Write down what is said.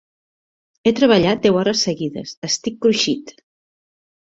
He treballat deu hores seguides: estic cruixit!